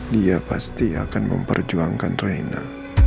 dia pasti akan memperjuangkan rohinda